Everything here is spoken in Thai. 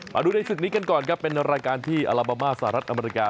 มาดูในศึกนี้กันก่อนครับเป็นรายการที่อัลบามาสหรัฐอเมริกา